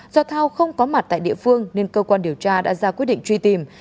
do thao không có mặt tại địa phương nên cơ quan điều tra đã ra quyết định truy tìm